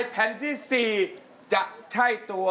แผ่นไหนครับ